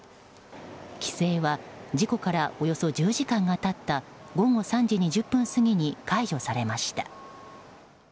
規制は事故からおよそ１０時間が経った午後３時２０分過ぎに解除されました。